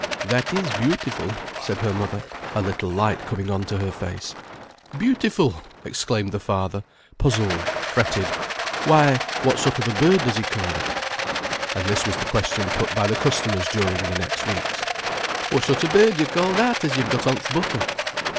"That is beautiful," said her mother, a little light coming on to her face. "Beautiful!" exclaimed the father, puzzled, fretted. "Why, what sort of a bird does he call it?" And this was the question put by the customers during the next weeks. "What sort of a bird do you call that, as you've got on th' butter?"